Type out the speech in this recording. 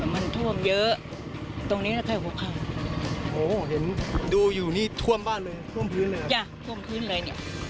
มันท่วมเยอะตรงนี้แค่หัวเข้าโอ้เห็นดูอยู่นี่ท่วมบ้านเลยท่วมพื้นเลย